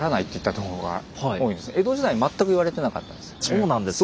そうなんですね。